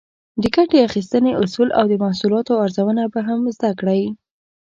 د ګټې اخیستنې اصول او د محصولاتو ارزونه به هم زده کړئ.